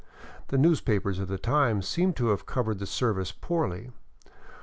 The newspapers of the time seem to have cov ered the service poorly.